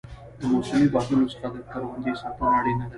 د موسمي بادونو څخه د کروندې ساتنه اړینه ده.